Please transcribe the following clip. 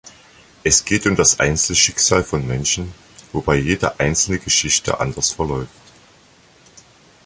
Es geht um das Einzelschicksal von Menschen, wobei jede einzelne Geschichte anders verläuft.